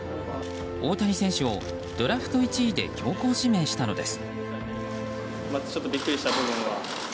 大谷選手をドラフト１位で強行指名したのです。